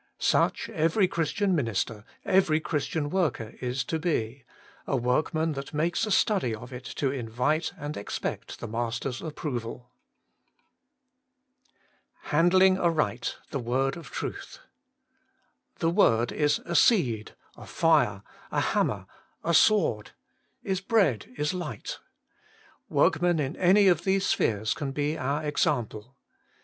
Such every 104 Working for God 105 Christian minister, every Christian worker, is to be — a workman that makes a study of it to invite and expect the Master's approval ' Handling aright the word of truth/ The word is a seed, a fire, a hammer, a sword, is bread, is Hght. Workmen in any of these spheres can be our example.